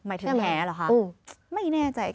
หมายถึงแหร่หรอคะไม่แน่ใจจะเก็บไว้